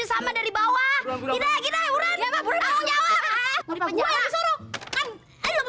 sama dari bawah